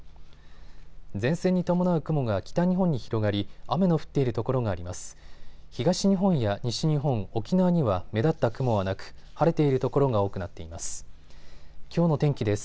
前線に伴う雲が北日本に広がり、雨の降っている所があります。